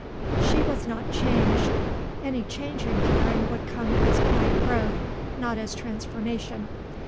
She was not changed; any change in Karen would come as quiet growth, not as transformation.